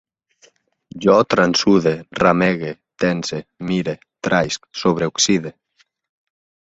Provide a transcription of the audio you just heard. Jo transsude, ramege, tense, mire, traïsc, sobreoxide